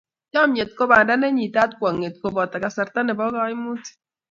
Chomnyet ko banda ne nyitaat kwong'eet koboto kasarta nebo kaimutiik.